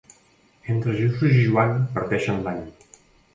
Entre Jesús i Joan parteixen l'any.